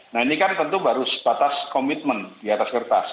nah ini kan tentu baru sebatas komitmen di atas kertas